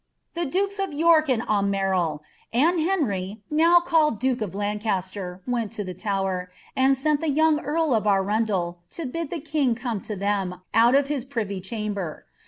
The dukes of Vork and Aunierle. and Henry, now called dnke of LADcaJttrr, went lo the Tower, and sent tlie young earl of Arundel* to bid lh«i king come to them, oni of his privy chamber.